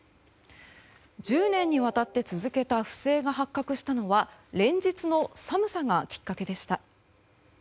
１０年にわたって続けた不正が発覚したのは連日の寒さがきっかけでした。